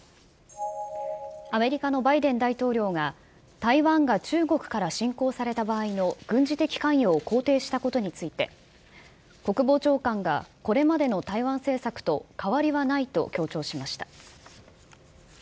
アメリカのバイデン大統領が、台湾が中国から侵攻された場合の軍事的関与を肯定したことについて、国防長官が、これまでの台湾政策と変わりはないと強調しました。